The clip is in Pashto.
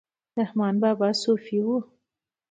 رحمان بابا صوفي و